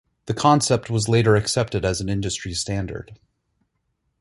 The concept was later accepted as an industry standard.